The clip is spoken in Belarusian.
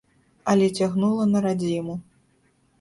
Але цягнула на радзіму.